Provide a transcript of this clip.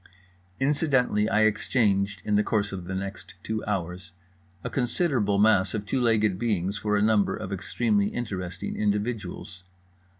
Incidentally, I exchanged (in the course of the next two hours) a considerable mass of two legged beings for a number of extremely interesting individuals.